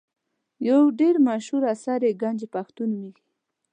یو ډېر مشهور اثر یې ګنج پښتو نومیږي.